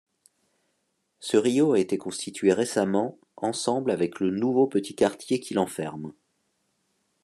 Ce rio a été constitué récemment ensemble avec le nouveau petit quartier qu'il enferme.